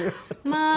まあ。